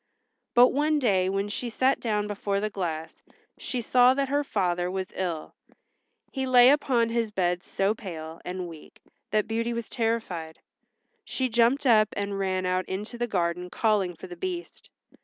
But one day when she sat down before the glass she saw that her father was ill. He lay upon his bed so pale and weak that Beauty was terrified. She jumped up and ran out into the garden calling for the Beast.